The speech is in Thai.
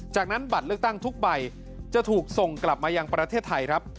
จากนั้นบัตรเลือกตั้งทุกใบจะถูกส่งกลับมายังประเทศไทยครับ